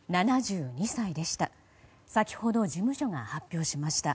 ７２歳でした。